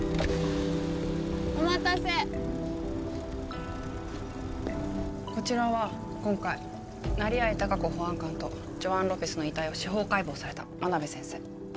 お待たせこちらは今回成合隆子保安官とジョアン・ロペスの遺体を司法解剖された真鍋先生